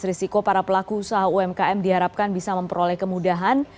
risiko para pelaku usaha umkm diharapkan bisa memperoleh kemudahan